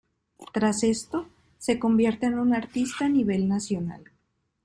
Tras esto, se convierte en un artista a nivel nacional.